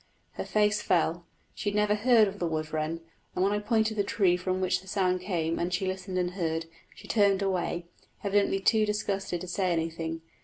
Her face fell. She had never heard of the wood wren, and when I pointed to the tree from which the sound came and she listened and heard, she turned away, evidently too disgusted to say anything.